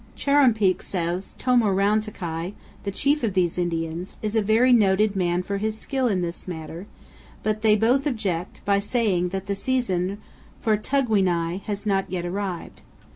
Chuar'ruumpeak says Tomor'rountikai, the chief of these Indians, is a very noted man for his skill in this matter; but they both object, by saying that the season for tugwi'nai has not yet arrived.